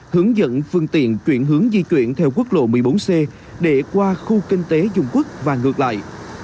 hướng dẫn phương tiện chuyển hướng di chuyển theo quốc lộ một mươi bốn c để qua khu kinh tế dung quốc và ngược lại